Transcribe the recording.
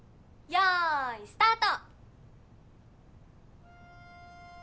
よいスタート！